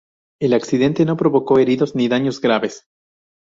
El accidente no provocó heridos ni daños graves.